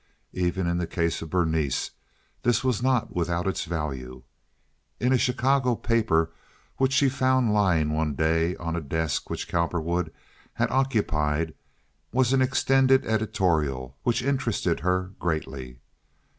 Even in the case of Berenice this was not without its value. In a Chicago paper which she found lying one day on a desk which Cowperwood had occupied was an extended editorial which interested her greatly.